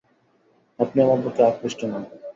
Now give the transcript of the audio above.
আপনি আমার প্রতি আকৃষ্ট নন।